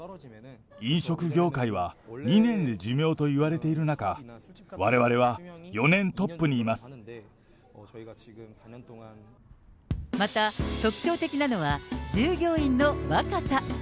飲食業界は２年で寿命といわれている中、われわれは４年トップにまた、特徴的なのは従業員の若さ。